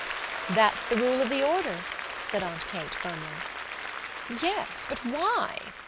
"That's the rule of the order," said Aunt Kate firmly. "Yes, but why?"